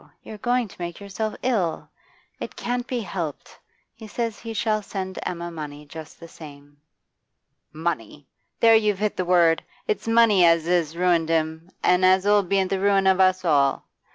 You're going to make yourself ill. It can't be helped. He says he shall send Emma money just the same.' 'Money! There you've hit the word; it's money as 'as ruined him, and as 'll be the ruin of us all.